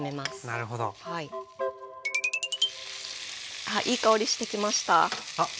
あっいい香りしてきました。